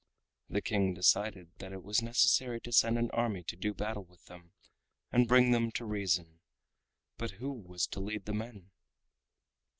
The King decided that it was necessary to send an army to do battle with them and bring them to reason. But who was to lead the men?